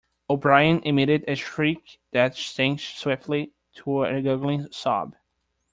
O'Brien emitted a shriek that sank swiftly to a gurgling sob.